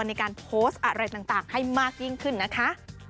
ในการโพสต์อะไรต่างให้มากยิ่งขึ้นนะคะ